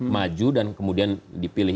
maju dan kemudian dipilih